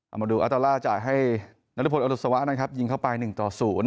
เอามาดูอัตราล่าจ่ายให้นรพลอดุษวะนะครับยิงเข้าไป๑ต่อ๐